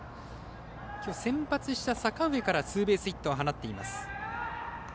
きょう先発した阪上からツーベースヒットを放っています。